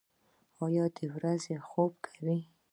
ایا د ورځې خوب کوئ؟